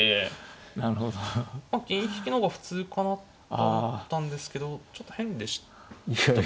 銀引きの方が普通かなと思ったんですけどちょっと変でした？